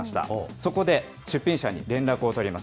そこで、出品者に連絡を取ります。